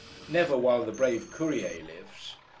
Never while the brave Courier lives!